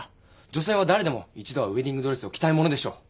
女性は誰でも一度はウエディングドレスを着たいものでしょう。